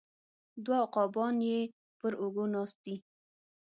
دوه عقابان یې پر اوږو ناست دي